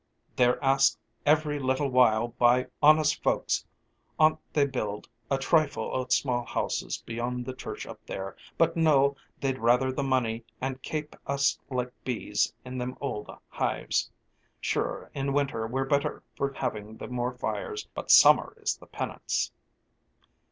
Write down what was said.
They're asked every little while by honest folks 'on't they build a trifle o' small houses beyond the church up there, but no, they'd rather the money and kape us like bees in them old hives. Sure in winter we're better for having the more fires, but summer is the pinance!"